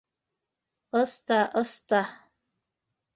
Ыста-ыста!